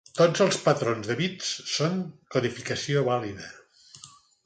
Tots els patrons de bits són codificació vàlida.